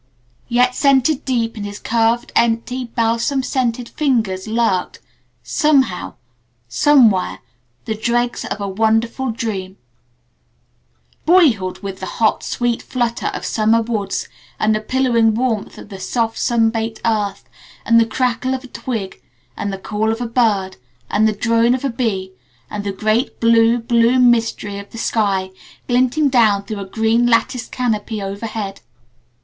Yet scented deep in his curved, empty, balsam scented fingers lurked somehow somewhere the dregs of a wonderful dream: Boyhood, with the hot, sweet flutter of summer woods, and the pillowing warmth of the soft, sunbaked earth, and the crackle of a twig, and the call of a bird, and the drone of a bee, and the great blue, blue mystery of the sky glinting down through a green latticed canopy overhead.